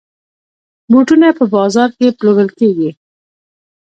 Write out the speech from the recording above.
بوټونه په بازاز کې پلورل کېږي.